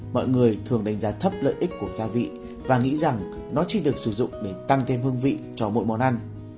mọi người thường đánh giá thấp lợi ích của gia vị và nghĩ rằng nó chỉ được sử dụng để tăng thêm hương vị cho mỗi món ăn